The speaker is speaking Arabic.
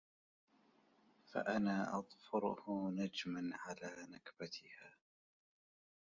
فأنا أضفره نجماً على نكبتها